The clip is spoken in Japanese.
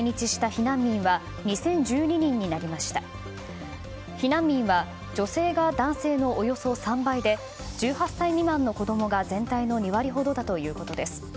避難民は、女性が男性のおよそ３倍で１８歳未満の子供が全体の２割ほどだということです。